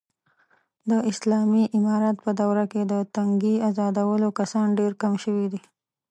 د اسالامي امارت په دوره کې، د تنگې ازادولو کسان ډېر کم شوي دي.